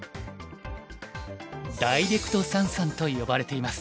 ダイレクト三々と呼ばれています。